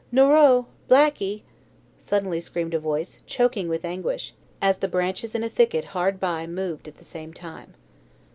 "Noiraud! Blackey!" suddenly screamed a voice, choking with anguish, as the branches in a thicket hard by moved at the same time.